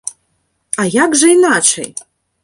А як жа іначай!